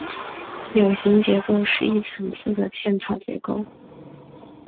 树形结构是一层次的嵌套结构。